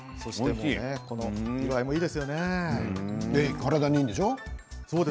体にいいんでしょう？